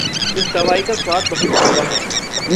इस दवाई का स्वाद बहुत कड़वा है।